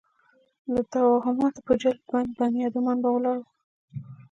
د توهماتو په جال کې بند بنیادمان به ولاړ وو.